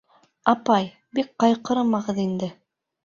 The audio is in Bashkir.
Апай, бик ҡайғырмағыҙ инде.